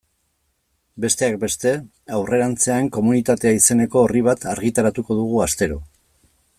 Besteak beste, aurrerantzean Komunitatea izeneko orri bat argitaratuko dugu astero.